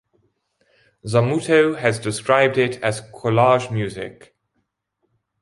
Zammuto has described it as collage music.